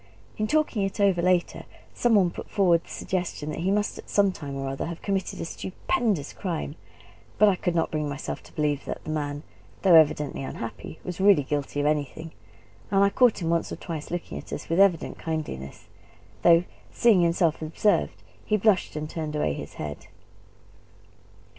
In talking it over later, some one put forward the suggestion that he must at some time or other have committed a stupendous crime; but I could not bring myself to believe that the man, though evidently unhappy, was really guilty of anything; and I caught him once or twice looking at us with evident kindliness, though seeing himself observed, he blushed and turned away his head.